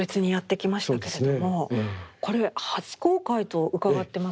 これ初公開と伺ってますが。